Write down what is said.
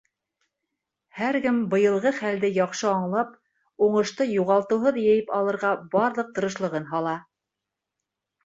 Һәр кем быйылғы хәлде яҡшы аңлап, уңышты юғалтыуһыҙ йыйып алырға барлыҡ тырышлығын һала.